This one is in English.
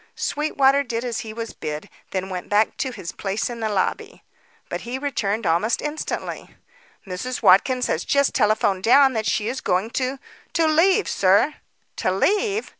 Sweetwater did as he was bid, then went back to his place in the lobby. But he returned almost instantly. "Mrs. Watkins has just telephoned down that she is going to to leave, sir." "To leave?"